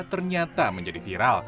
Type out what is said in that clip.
ternyata menjadi viral